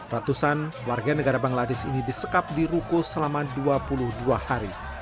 ratusan warga negara bangladesh ini disekap di ruko selama dua puluh dua hari